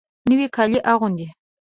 نوي کالي اغوندې